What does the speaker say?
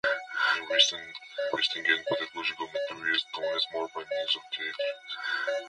In recent linguistic and pedagogical materials, tone is marked by means of diacritics.